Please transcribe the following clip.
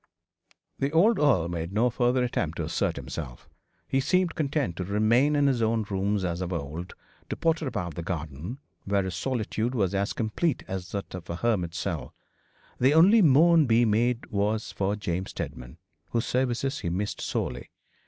The old earl made no further attempt to assert himself. He seemed content to remain in his own rooms as of old, to potter about the garden, where his solitude was as complete as that of a hermit's cell. The only moan be made was for James Steadman, whose services he missed sorely.